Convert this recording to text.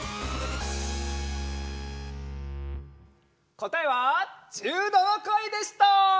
こたえは１７かいでした！